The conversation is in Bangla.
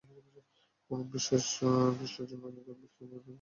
কোনো বিশেষ দৃষ্টিভঙ্গির জিম্মায় নিখাদ বাস্তববাদী বয়ানেও গরিব মানুষের গল্প বলা যায়।